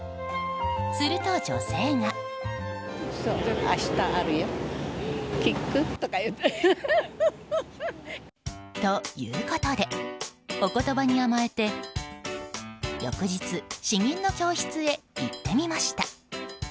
すると、女性が。ということで、お言葉に甘えて翌日、詩吟の教室へ行ってみました。